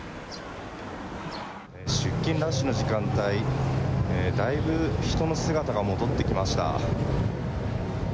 出勤ラッシュの時間帯、だいぶ人の姿が戻ってきました。